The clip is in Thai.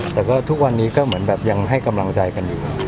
แต่ก็ทุกวันนี้ก็เหมือนแบบยังให้กำลังใจกันอยู่